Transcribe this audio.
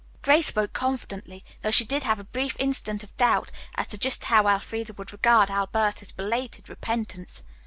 Grace spoke confidently, though she did have a brief instant of doubt as to just how Elfreda would regard Alberta's belated repentance.